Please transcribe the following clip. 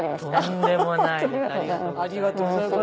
とんでもないありがとうございます。